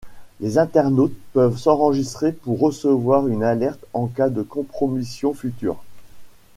Les internautes peuvent s'enregistrer pour recevoir une alerte en cas de compromission future.